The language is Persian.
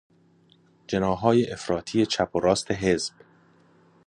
جناحهای افراطی چپ و راست حزب